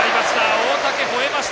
大竹、ほえました！